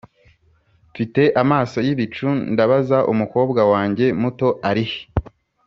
mfite amaso yibicu ndabaza, umukobwa wanjye muto arihe?